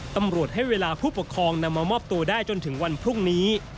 ตำรวจให้เวลาผู้ปกครองนำมามอบตัวได้จนถึงวันพรุ่งนี้